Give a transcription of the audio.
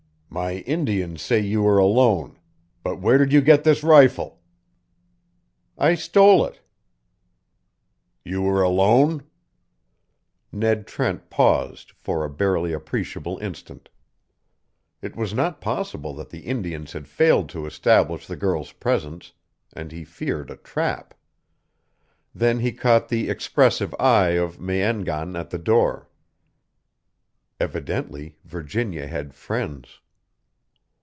"My Indians say you were alone. But where did you get this rifle?" "I stole it." "You were alone?" Ned Trent paused for a barely appreciable instant. It was not possible that the Indians had failed to establish the girl's presence, and he feared a trap. Then he caught the expressive eye of Me en gan at the door. Evidently Virginia had friends.